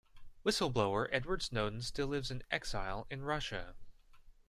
Whistle-blower Edward Snowden still lives in exile in Russia.